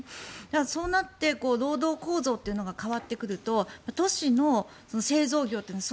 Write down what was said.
そうなって労働構造というのが変わってくると都市の製造業は